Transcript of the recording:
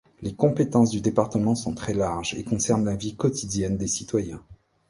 Les compétences du département sont très larges et concernent la vie quotidienne des citoyens.